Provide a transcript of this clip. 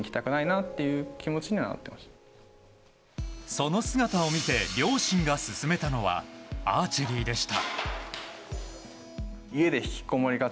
その姿を見て両親が勧めたのはアーチェリーでした。